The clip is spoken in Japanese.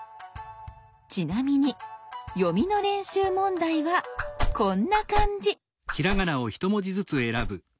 ちなみに読みの練習問題はこんな感じ。